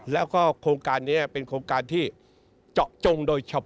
แล้วก็โครงการนี้เป็นโครงการที่เจาะจงโดยเฉพาะ